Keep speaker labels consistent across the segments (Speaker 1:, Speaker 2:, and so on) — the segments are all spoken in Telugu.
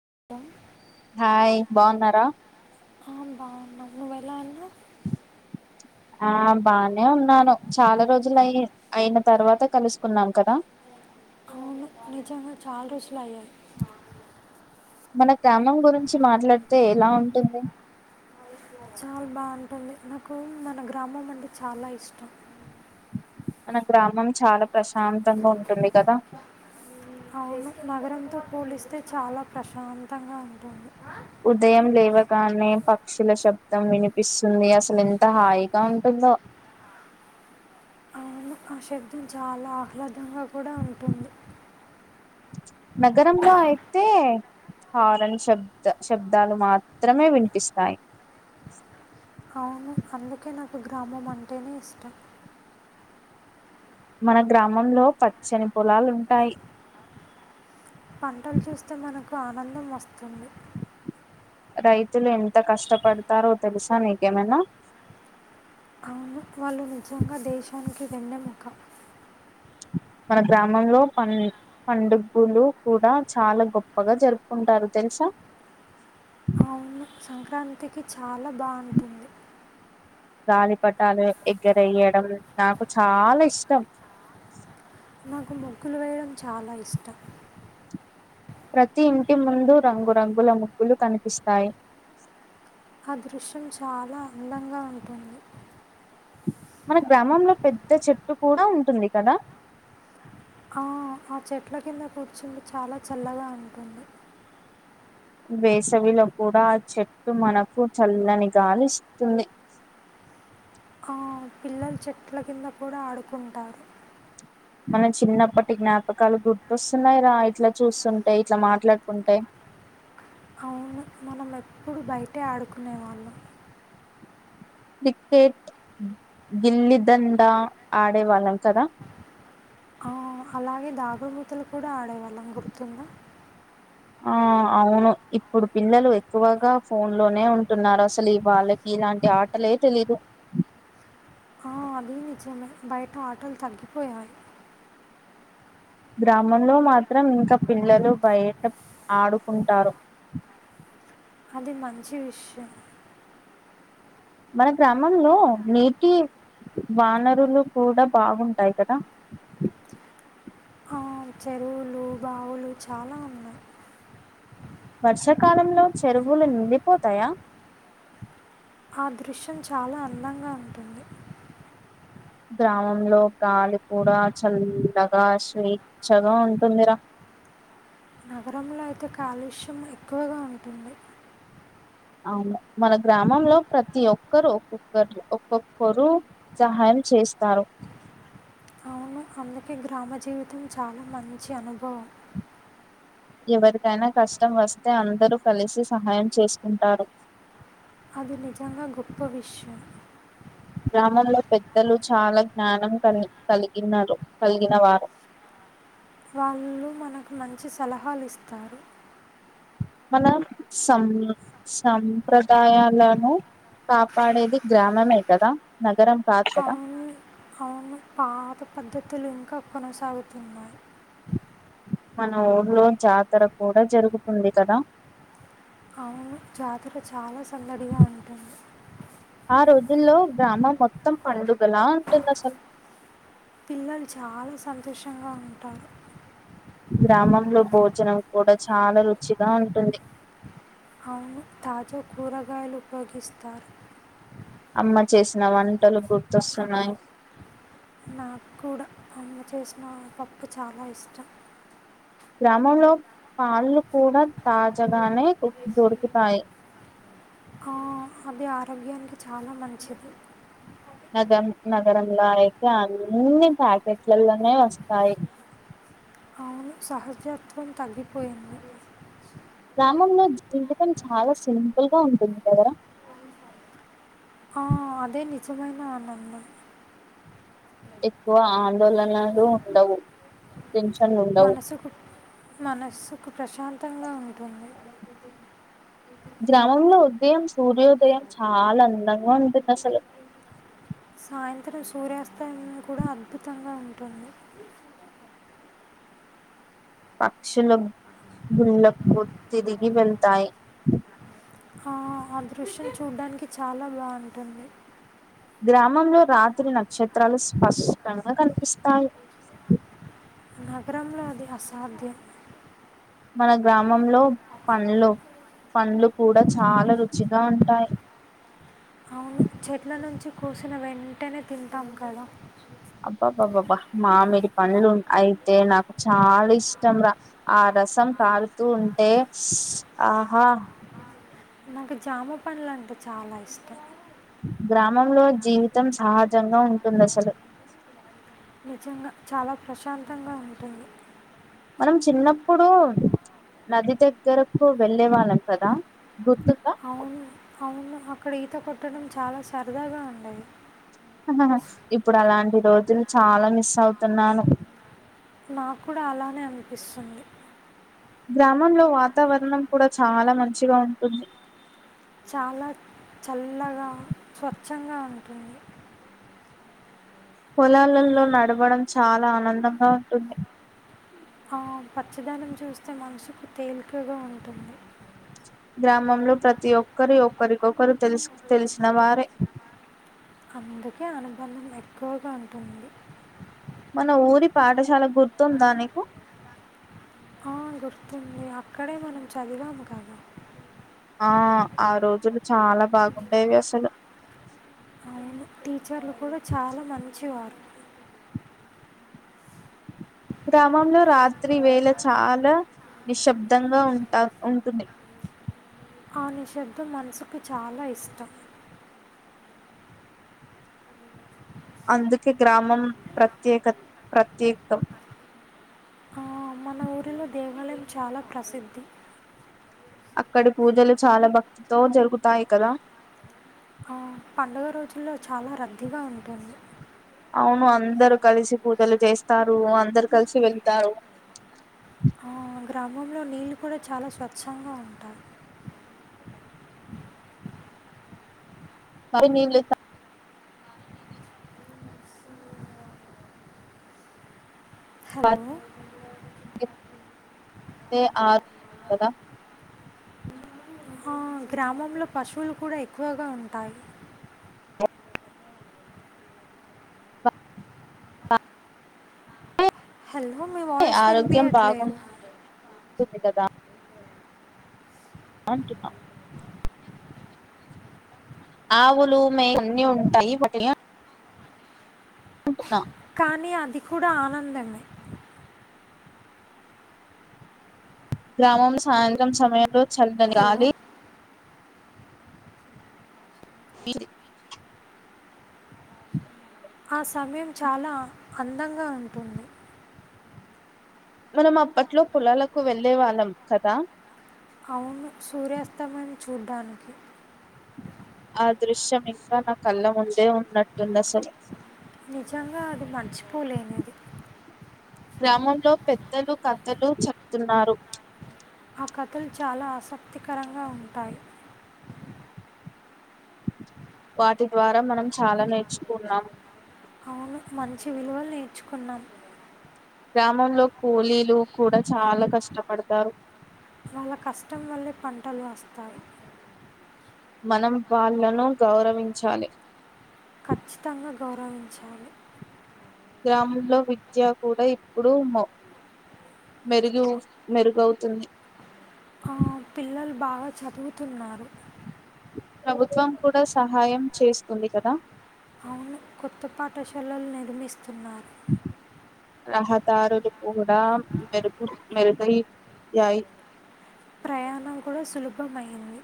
Speaker 1: [unintelligible]
Speaker 2: హాయ్ బాగున్నారా?
Speaker 1: బాగున్నాము. నువ్వ ఎలా ఉన్నావు?
Speaker 2: ఆ బానే ఉన్నాను. చాలా రోజులు అయి అయిన తర్వాత కలుసుకున్నాం కదా.
Speaker 1: అవును నిజంగా చాలా రోజులు అయ్యాయి.
Speaker 2: మన గ్రామం గురించి మాట్లాడితే ఎలా ఉంటుంది.
Speaker 1: చాలా బాగుంటుంది. నాకు మన గ్రామం అంటే చాలా ఇష్టం.
Speaker 2: మన గ్రామం చాలా ప్రశాంతంగా ఉంటుంది కదా.
Speaker 1: అవును, నగరంతో పోలిస్తే చాలా ప్రశాంతంగా ఉంటుంది.
Speaker 2: ఉదయం లేవగానే పక్షుల శబ్దం వినిపిస్తుంది. అసలు ఎంత హాయిగా ఉంటుందో
Speaker 1: ఆశబ్దం చాలా ఆహ్లాదంగా కూడా ఉంటుంది.
Speaker 2: నగరంలో అయితే హారన్ శబ్ద శబ్దాలు మాత్రమే వినిపిస్తాయి.
Speaker 1: అవును అందుకే నాకు గ్రామం అంటేనే ఇష్టం.
Speaker 2: మన గ్రామంలో పచ్చని పొలాలుంటాయి.
Speaker 1: పంటలు చూస్తే మనకు కు ఆనందం వస్తుంది.
Speaker 2: రైతులు ఎంత కష్టపడతారో తెలుసా. నీకేమైనా
Speaker 1: వెన్నముక్క
Speaker 2: మన గ్రామంలో పం పండుగులు కూడా చాలా గొప్పగా జరుపుకుంటారు. తెలుసా
Speaker 1: అవును సంక్రాంతికి చాలా బాగుంటుంది.
Speaker 2: గాలిపట్టాలు ఎగ్గరేయడం నాకు చాలా ఇష్టం.
Speaker 1: నాకు ముగ్గులు వేయడం చాలా ఇష్టం.
Speaker 2: ప్రతి ఇంటి ముందు రంగురంగుల ముగ్గులు కనిపిస్తాయి.
Speaker 1: ఆ దృశ్యం చాలా అందంగా ఉంటుంది.
Speaker 2: మన గ్రామంలో పెద్ద చెట్టు కూడా ఉంటుంది. కదా
Speaker 1: ఆ ఆ చెట్ల కింద కూర్చుంది చాలా చల్లగా ఉంటుంది.
Speaker 2: వేసవిలో కూడా ఆ చెట్టు మనకు చల్లనిగాలి ఇస్తుంది.
Speaker 1: ఆ పిల్లలు చెట్ల కింద కూడా ఆడుకుంటారు.
Speaker 2: మన చిన్నప్పటి జ్ఞాపకాలు గుర్తొస్తున్నాయి రా, ఇట్లా చూస్తుంటేయి ఇట్లా మాట్లాడుకుంటే.
Speaker 1: ఇప్పుడు బయటే ఆడుకునేవాళ్ళం.
Speaker 2: క్రికెట్ గిల్లిదండా ఆడేవాళ్ళం కదా
Speaker 1: ఆ, అలాగే దాగుడు మూతలు కూడా ఆడేవాళ్ళం గుర్తుందా.
Speaker 2: ఆ అవును ఇప్పుడు పిల్లలు ఎక్కువగా ఫోన్ లోనే ఉంటున్నారు. అసలు ఈ వాళ్ళకి ఇలాంటి ఆటలే తెలీదు.
Speaker 1: ఆ, అది నిజమే బయట ఆటలు తగ్గిపోయాయి.
Speaker 2: గ్రామంలో మాత్రం ఇంకా పిల్లలు బయట ఆడుకుంటారు.
Speaker 1: అది మంచి విషయం.
Speaker 2: మన గ్రామంలో నీటి వానరులు కూడా బాగుంటాయి కదా
Speaker 1: ఆ చెరువులు బావులు చాలా ఉన్నాయి
Speaker 2: వర్షాకాలంలో చెరువులు నిండిపోతాయా
Speaker 1: ఆ దృశ్యం చాలా అందంగా ఉంటుంది
Speaker 2: గ్రామంలో గాలి కూడా చల్లగా స్వేచ్ఛగా ఉంటుందిరా
Speaker 1: నగరంలో అయితే కాలుష్యం ఎక్కువగా ఉంటుంది
Speaker 2: అవును మన గ్రామంలో ప్రతి ఒక్కరు ఒక్కొక్కరు ఒక్కొక్కరు సహాయం చేస్తారు
Speaker 1: అవును అందుకే గ్రామ జీవితం చాలా మంచి అనుభవం
Speaker 2: ఎవరికైనా కష్టం వస్తే అందరూ కలిసి సహాయం చేసుకుంటారు
Speaker 1: అది నిజంగా గొప్ప విషయం
Speaker 2: గ్రామంలో పెద్దలు చాలా జ్ఞానం క కలిగిన కలిగినవారు
Speaker 1: వాళ్ళు మనకు మంచి సలహాలు ఇస్తారు
Speaker 2: మన సం సంప్రదాయాలను కాపాడేది గ్రామమే కదా నగరం కాదు కదా
Speaker 1: అవును అవును పాత పద్ధతులు ఇంకా కొనసాగుతున్నాయి
Speaker 2: మన ఊర్లో జాతర కూడా జరుగుతుంది కదా
Speaker 1: అవును జాతర చాలా సందడిగా ఉంటుంది
Speaker 2: ఆ రోజుల్లో గ్రామం మొత్తం పండుగలా ఉంటుంది అసలు
Speaker 1: పిల్లలు చాలా సంతోషంగా ఉంటారు
Speaker 2: గ్రామంలో భోజనం కూడా చాలా రుచిగా ఉంటుంది
Speaker 1: అవును తాజా కూరగాయలు ఉపయోగిస్తారు
Speaker 2: అమ్మ చేసిన వంటలు గుర్తొస్తున్నాయి.
Speaker 1: నాకు కూడా అమ్మ చేసిన పప్పు చాలా ఇష్టం
Speaker 2: గ్రామంలో కాళ్ళు కూడా తాజాగానే దొరుకుతాయి.
Speaker 1: ఆ అది ఆరోగ్యానికి చాలా మంచిది
Speaker 2: నగరం నగరంలో అయితే అన్నీ ప్యాకెట్లలోనే వస్తాయి
Speaker 1: అవును సహజత్వం తగ్గిపోయింది
Speaker 2: గ్రామంలో జీవితం చాలా సింపుల్ గా ఉంటుంది కదా.
Speaker 1: ఆ అదే నిజమైన ఆనందం
Speaker 2: ఎక్కువ ఆందోళనలు ఉండవు టెన్షన్లు ఉండవు
Speaker 1: మనసుకు మనసుకు ప్రశాంత తంగా ఉంటుంది
Speaker 2: గ్రామంలో ఉదయం సూర్యోదయం చాలా అందంగా ఉంటుంది అసలు
Speaker 1: సాయంత్రం సూర్యాస్తమయం కూడా అద్భుతంగా ఉంటుంది
Speaker 2: పక్షులు గుళ్ళలకు తిరిగి వెళ్తాయి
Speaker 1: ఆహ్ ఆ దృశ్యం చూడ్డానికి చాలా బావుంటుంది
Speaker 2: గ్రామంలో రాత్రి నక్షత్రాలు స్పష్టంగా కనిపిస్తాయి.
Speaker 1: నగరంలో అది అసాధ్యం.
Speaker 2: మన గ్రామంలో పండ్లు పండ్లు కూడా చాలా రుచిగా ఉంటాయి.
Speaker 1: అవును చెట్ల నుంచి కోసిన వెంటనే తింటాం కదా.
Speaker 2: అబ్బాబ్బాబ్బా మామిడి పండ్లు ఉ అయితే నాకు చాలా ఇష్టం రా ఆ రసం తాగుతూ ఉంటే ఆహా
Speaker 1: నాకు జామ పండ్లు అంటే చాలా ఇష్టం.
Speaker 2: గ్రామంలో జీవితం సహజంగా ఉంటుంది అసలు.
Speaker 1: నిజంగా చాలా ప్రశాంతంగా ఉంటుంది.
Speaker 2: మనం చిన్నప్పుడు నది దగ్గరకు వెళ్ళే వాళ్ళం కదా గుర్తుందా
Speaker 1: అవును అవును అక్కడ ఈత కొట్టడం చాలా సరదాగా ఉండేది.
Speaker 2: ఇప్పుడు అలాంటి రోజులు చాలా మిస్ అవుతున్నాను.
Speaker 1: నాక్కూడా అలానే అనిపిస్తుంది.
Speaker 2: గ్రామంలో వాతావరణం కూడా చాలా మంచిగా ఉంటుంది.
Speaker 1: చాలా చల్లగా స్వచ్ఛంగా ఉంటుంది.
Speaker 2: పొలాలల్లో నడవడం చాలా ఆనందంగా ఉంటుంది.
Speaker 1: ఆ పచ్చదనం చూస్తే మనసుకు తేలికగా ఉంటుంది.
Speaker 2: గ్రామంలో ప్రతి ఒక్కరి ఒక్కరికొకరు తెలుసు తెలిసిన వారే
Speaker 1: అందుకే అనుబంధం ఎక్కువగా ఉంటుంది.
Speaker 2: మన ఊరి పాఠశాల గుర్తుందా నీకు
Speaker 1: ఆ గుర్తుంది అక్కడే మనం చదివాము కదా
Speaker 2: ఆహ్ ఆ రోజులు చాలా బాగుండేవి అసలు.
Speaker 1: లెక్చర్లు కూడా చాలా మంచివారు.
Speaker 2: గ్రామంలో రాత్రి వేళ చాలా నిశ్శబ్దంగా ఉంటా ఉంటుంది.
Speaker 1: ఆ నిశబ్దం మనసుకు చాలా ఇష్టం
Speaker 2: అందుకే గ్రామం ప్రత్యేక ప్రత్యేకం
Speaker 1: కాలం చాలా ప్రసిద్ధి.
Speaker 2: అక్కడి పూజలు చాలా భక్తితో జరుగుతాయి కదా.
Speaker 1: ఆ, పండుగ రోజుల్లో చాలా రద్దీగా ఉంటుంది.
Speaker 2: అవును అందరు కలిసి పూజలు చేస్తారు అందరు కలిసి వెళ్తారు.
Speaker 1: ఆ, గ్రామంలో నీళ్ళు కూడా చాలా స్వచ్ఛంగా ఉంటాయి.
Speaker 2: మరి నీవులుత
Speaker 1: హలో
Speaker 2: త ఆహ్ కదా
Speaker 1: ఆ, గ్రామంలో పశువులు కూడా ఎక్కువగా ఉంటాయి హలో మీ వాయిస్
Speaker 2: ఆరోగ్యం
Speaker 1: వినిపియట్లేదు
Speaker 2: బాగుంటుంది కదా అంటున్నా ఆవులు మే అన్ని ఉంటాయి ఓకే
Speaker 1: కానీ అది కూడా ఆనందమే
Speaker 2: గ్రామం సాయంత్రం సమయంలో చల్లని
Speaker 1: హలో!
Speaker 2: గాలి ప
Speaker 1: ఆ సమయం చాలా అందంగా ఉంటుంది
Speaker 2: మనం అప్పట్లో పొలాలకు వెళ్ళే వాళ్ళం కదా
Speaker 1: అవును సూర్యాస్తమను చూడ్డానికి
Speaker 2: ఆ దృశ్యం ఇంకా నా కళ్ళ ముందే ఉన్నట్టుంది అసలు
Speaker 1: నిజంగా అది మర్చిపోలేనిది
Speaker 2: గ్రామంలో పెద్దలు కథలు చెప్తున్నారు
Speaker 1: ఆ కథలు చాలా ఆసక్తికరంగా ఉంటాయి
Speaker 2: వాటి ద్వారా మనం చాలా నేర్చుకున్నాం
Speaker 1: అవును మంచి విలువలు నేర్చుకున్నాం
Speaker 2: గ్రామంలో కూలీలు కూడా చాలా కష్టపడతారు
Speaker 1: వాళ్ళ కష్టం వల్లే పంటలు వస్తయి
Speaker 2: మనం వాళ్ళను గౌరవించాలి
Speaker 1: ఖచ్చితంగా గౌరవించాలి
Speaker 2: గ్రామంలో విద్య కూడా ఇప్పుడు మెరుగు మెరుగవుతుంది
Speaker 1: ఆ, పిల్లలు బాగా చదువుతున్నారు
Speaker 2: ప్రభుత్వం కూడా సహాయం చేస్తుంది కదా
Speaker 1: అవును కొత్త పాఠశాలలు నిర్మిస్తున్నారు
Speaker 2: రహదారులు కూడా మెరుగు మెరుగైయాయి
Speaker 1: ప్రయాణం కూడా సులభమఇంది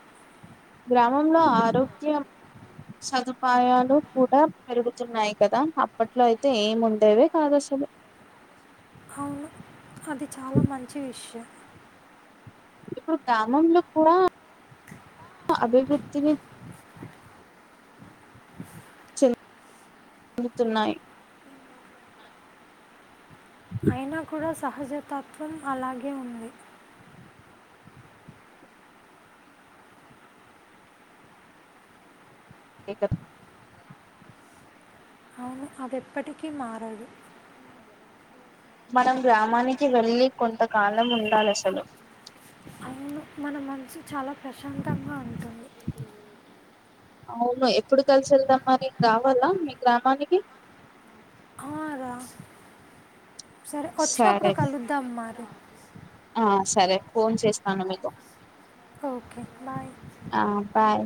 Speaker 2: గ్రామంలో ఆరోగ్య సదుపాయాలు కూడా పెరుగుతున్నాయి కదా అప్పట్లో అయితే ఏము ఉండేవే కాదు అసలు
Speaker 1: అవును అది చాలా మంచి విషయం
Speaker 2: ఇప్పుడు గ్రామంలో కూడా అభివృద్ధిని చెందుతున్నాయి హ
Speaker 1: అయినా కూడా సహజతత్వం అలాగే ఉంది
Speaker 2: ఎకత్
Speaker 1: అవును అది ఎప్పటికీ మారడు
Speaker 2: మనం గ్రామానికి వెళ్ళి కొంతకాలం ఉండాలి అసలు
Speaker 1: అవును మన మనసు చాలా ప్రశాంతంగా ఉంటుంది
Speaker 2: అవును ఎప్పుడు కలిసి వెళ్దాం మరి రావాలా మీ గ్రామానికి
Speaker 1: ఆ రా సరే వచ్చినప్పుడు
Speaker 2: సరే
Speaker 1: కలుద్దాం మారి
Speaker 2: ఆ సరే ఫోన్ చేస్తాను మీకు
Speaker 1: ఓకే బాయ్
Speaker 2: ఆ బాయ్